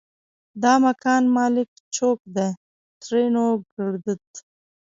دا مکان مالک چوک ده؛ ترينو ګړدود